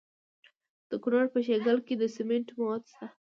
د کونړ په شیګل کې د سمنټو مواد شته.